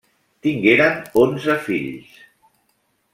Tingueren onze fills.